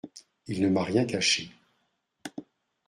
Il ne m'a rien caché.